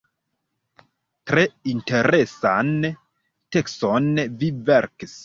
Tre interesan tekston vi verkis.